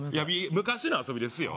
昔の遊びですよ